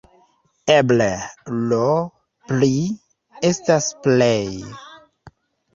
Eble 'lo pli' estas 'plej'.